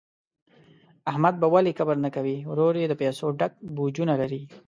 احمد به ولي کبر نه کوي، ورور یې د پیسو ډک بوجونه لري.